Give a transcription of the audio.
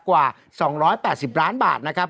กว่า๒๘๐ล้านบาทนะครับ